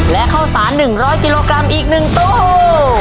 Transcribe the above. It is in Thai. และข้าวสาร๑๐๐กิโลกรัมอีก๑ตู้